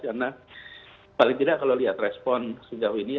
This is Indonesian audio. karena paling tidak kalau lihat respon sejauh ini